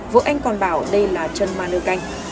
vợ anh còn bảo đây là chân ma nơ canh